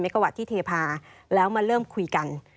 ๒๒๐๐เมกะวัตต์ที่เทพาะแล้วมาเริ่มคุยกัน